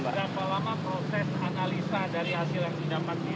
berapa lama proses analisa dari hasil yang didapatkan